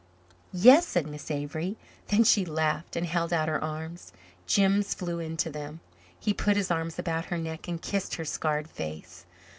"Yes," said Miss Avery. Then she laughed and held out her arms. Jims flew into them. He put his arms about her neck and kissed her scarred face.